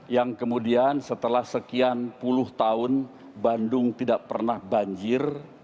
yang kemudian setelah sekian puluh tahun bandung tidak pernah banjir